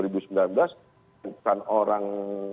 dua ribu sembilan belas bukan orang